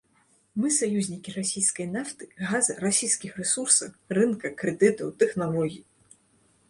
Мы саюзнікі расійскай нафты, газа, расійскіх рэсурсаў, рынка, крэдытаў, тэхналогій.